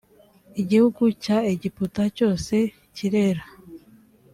igihugu cya egiputa cyose cyirera